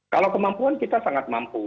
kalau kemampuan kita sangat mampu